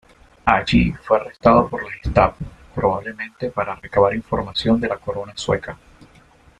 Allí fue arrestado por la Gestapo probablemente para recabar información de la corona sueca.